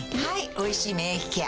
「おいしい免疫ケア」